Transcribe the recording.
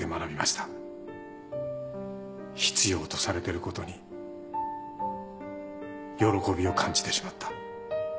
必要とされてることに喜びを感じてしまった。